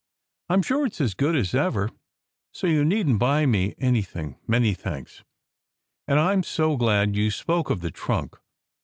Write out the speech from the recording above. I m sure it s as good as ever, so you needn t buy me anything; many thanks. And I m so glad you spoke of the trunk.